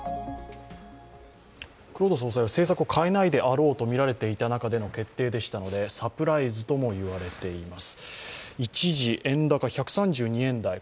黒田総裁は政策を変えないであろうとみられていた中での決定でしたので、サプライズとも言われています。